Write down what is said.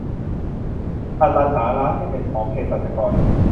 อัลลันหาร้านที่เป็นของเภสัชกร